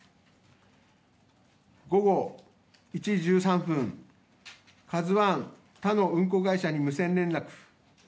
午後１時１３分「ＫＡＺＵ１」他の運航会社に無線連絡。